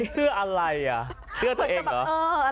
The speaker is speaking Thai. เสื้ออะไรอ่ะเสื้อตัวเองเหรอ